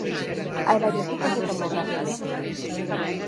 Hai varios tipos de tomografía.